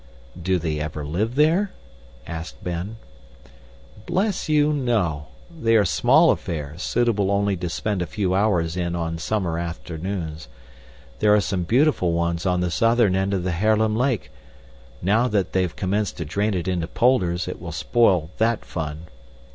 "Do they ever live there?" asked Ben. "Bless you, no! They are small affairs, suitable only to spend a few hours in on summer afternoons. There are some beautiful ones on the southern end of the Haarlem Lake now that they've commenced to drain it into polders, it will spoil THAT fun.